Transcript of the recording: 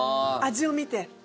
味を見て。